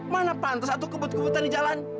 mana pantas atau kebut kebutan di jalan